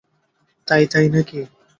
তাই তাই নাকি?